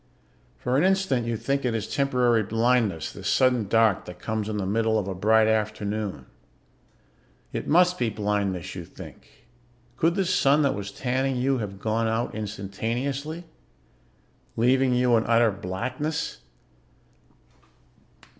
_ For an instant you think it is temporary blindness, this sudden dark that comes in the middle of a bright afternoon. It must be blindness, you think; could the sun that was tanning you have gone out instantaneously, leaving you in utter blackness?